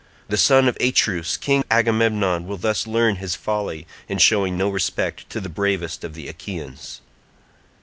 The son of Atreus King Agamemnon will thus learn his folly in showing no respect to the bravest of the Achaeans."